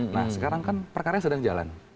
nah sekarang kan perkara yang sedang jalan